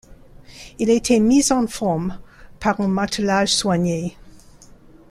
Il était mis en forme par un martelage soigné.